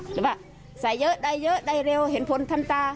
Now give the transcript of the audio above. ใช่ป่ะใส่เยอะได้เยอะได้เร็วเห็นผลทำตา